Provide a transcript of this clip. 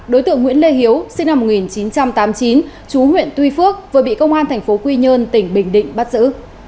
đối tượng nguyễn lê hiếu sinh năm một nghìn chín trăm tám mươi chín chú huyện tuy phước vừa bị công an tp quy nhơn tỉnh bình định bắt giữ